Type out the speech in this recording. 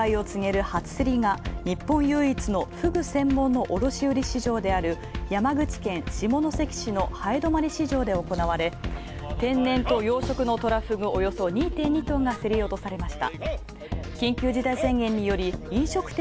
ふぐの季節の到来を告げる初競りが日本唯一の専門卸売市場である山口県下関市の南風泊市場で行われ、天然と養殖のトラフグ、およそ２．２トンが競り落とされた。